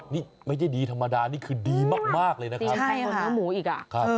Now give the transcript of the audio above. นี่ค่ะไม่ใช่ดีธรรมดานี่คือดีมากเลยนะคะ